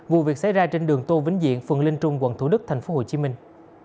vụ việc xảy ra trên đường tô vĩnh diện phường linh trung quận thủ đức thành phố hồ chí minh